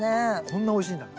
こんなおいしいんだ。